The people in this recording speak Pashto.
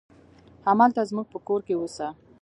همالته زموږ په کور کې اوسه.